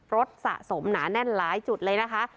สะสมหนาแน่นหลายจุดเลยนะคะ